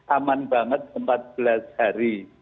aman banget empat belas hari